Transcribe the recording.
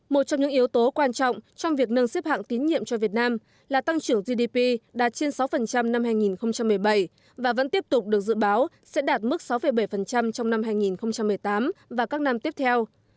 một trong những yếu tố quan trọng trong việc nâng xếp hạng tín nhiệm cho việt nam là tăng trưởng gdp đạt trên sáu năm hai nghìn một mươi bảy và vẫn tiếp tục được dự báo sẽ đạt mức sáu bảy trong năm hai nghìn một mươi tám và các năm tiếp theo